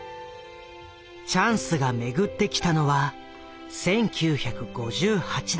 チャンスが巡ってきたのは１９５８年。